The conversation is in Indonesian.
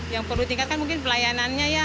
yang perlu ditingkatkan mungkin pelayanannya ya